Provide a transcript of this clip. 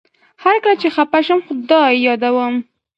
هر کله چي خپه شم خدای يادوم